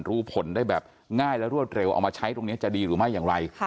รู้ผลได้แบบง่ายและรวดเร็วเอามาใช้ตรงนี้จะดีหรือไม่อย่างไร